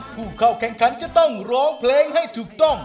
ผู้เข้าแข่งขันจะต้องร้องเพลงให้ถูกต้อง